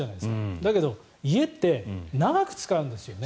だけど家って長く使うんですよね。